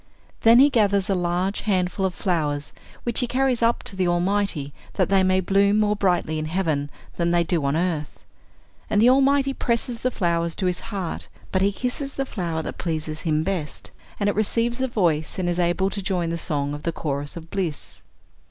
Then he gathers a large handful of flowers, which he carries up to the Almighty, that they may bloom more brightly in heaven than they do on earth. And the Almighty presses the flowers to His heart, but He kisses the flower that pleases Him best, and it receives a voice, and is able to join the song of the chorus of bliss."